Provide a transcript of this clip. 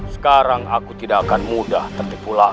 sekarang aku tidak akan mudah tertipu lagi